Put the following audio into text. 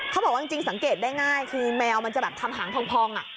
เขาบอกว่าจริงสังเกตได้ง่ายคือแมวมันจะแบบทำหางพอง